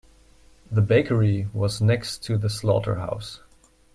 The bakery was next to the slaughterhouse.